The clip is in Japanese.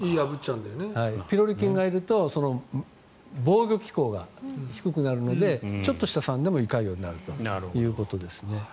ピロリ菌がいると防御機構が低くなるのでちょっとした酸でも胃潰瘍になるということですね。